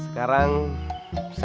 sekarang saya kembalikan ke diri saya